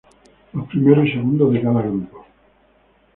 Los primeros y segundos de cada grupo.